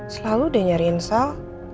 selalu dia nyariin sal